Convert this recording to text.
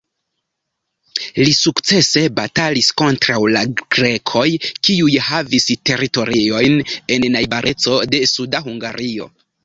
Li sukcese batalis kontraŭ la grekoj, kiuj havis teritoriojn en najbareco de suda Hungario.